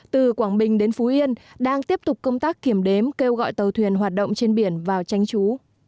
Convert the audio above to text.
từ quảng bình đến phú yên đang tiếp tục công tác kiểm đếm kêu gọi tàu thuyền hoạt động trên biển vào tránh trú